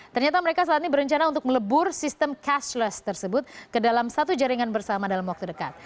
ternyata mereka saat ini berencana untuk melebur sistem cashless tersebut ke dalam satu jaringan bersama dalam waktu dekat